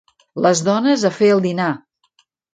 Les dones a fer el dinar.